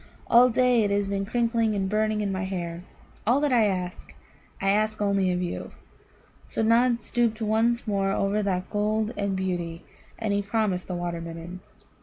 All day it has been crickling and burning in my hair. All that I ask, I ask only of you." So Nod stooped once more over that gold and beauty, and he promised the Water midden.